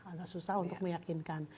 agak susah untuk meyakinkan